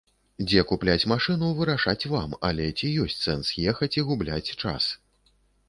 Дзе купляць машыну, вырашаць вам, але ці ёсць сэнс ехаць і губляць час?